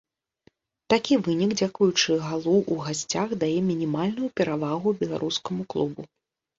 Такі вынік дзякуючы галу ў гасцях дае мінімальную перавагу беларускаму клубу.